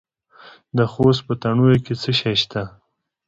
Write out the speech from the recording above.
د خوست په تڼیو کې څه شی شته؟